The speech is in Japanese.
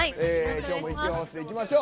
今日も息を合わせていきましょう。